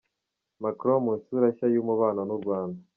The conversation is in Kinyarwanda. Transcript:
Macron mu isura nshya y’umubano n’u Rwanda.